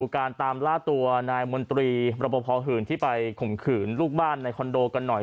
การตามล่าตัวนายมนตรีรบพอหื่นที่ไปข่มขืนลูกบ้านในคอนโดกันหน่อย